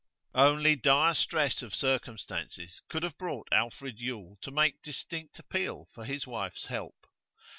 Only dire stress of circumstances could have brought Alfred Yule to make distinct appeal for his wife's help.